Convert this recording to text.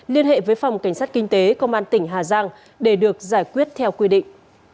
liên hệ với phòng cảnh sát kinh tế công an tỉnh hà giang để được giải quyết theo quy định